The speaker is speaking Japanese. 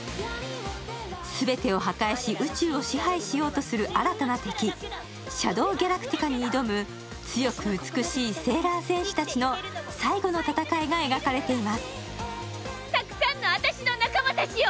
全てを破壊し、宇宙を支配しようとする新たな敵、シャドウ・ギャラクティカに挑む強く美しいセーラー戦士たちの最後の戦いが描かれています。